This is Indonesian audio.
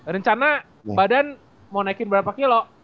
rencana badan mau naikin berapa kilo